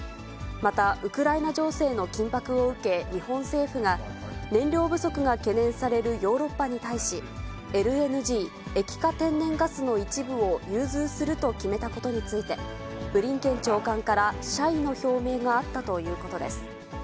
また、ウクライナ情勢の緊迫を受け、日本政府が燃料不足が懸念されるヨーロッパに対し、ＬＮＧ・液化天然ガスの一部を融通すると決めたことについて、ブリンケン長官から謝意の表明があったということです。